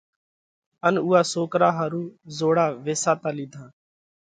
ان اُوئا سوڪرا ۿارُو زوڙا ويساتا لِيڌا